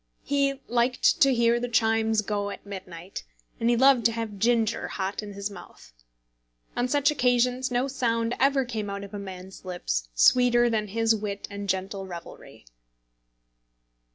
He liked to hear the chimes go at midnight, and he loved to have ginger hot in his mouth. On such occasions no sound ever came out of a man's lips sweeter than his wit and gentle revelry.